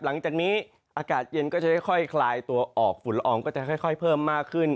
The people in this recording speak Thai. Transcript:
หลังจากนี้อากาศเย็นก็จะค่อยคลายตัวออกฝุ่นละอองก็จะค่อยเพิ่มมากขึ้น